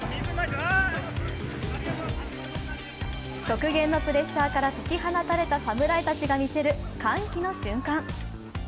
極限のプレッシャーから解き放たれた侍が見せる、歓喜の瞬間。